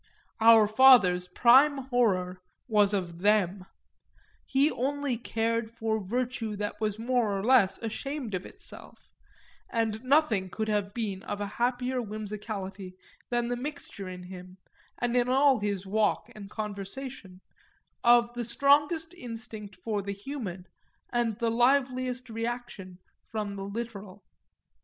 Our father's prime horror was of them he only cared for virtue that was more or less ashamed of itself; and nothing could have been of a happier whimsicality than the mixture in him, and in all his walk and conversation, of the strongest instinct for the human and the liveliest reaction from the literal.